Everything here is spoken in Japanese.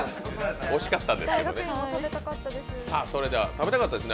惜しかったんですけどね。